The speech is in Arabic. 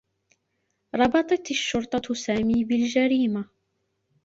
ربطت الشّرطة سامي بالجريمة.